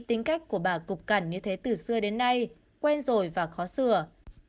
tính cách của bà cục cảnh như thế từ xưa đến nay quen rồi và khó sửa